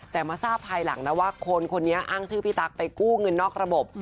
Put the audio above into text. แต่มาทราบภายหลังนะว่าคนคนนี้อ้างชื่อพี่ตั๊กไปกู้เงินนอกระบบ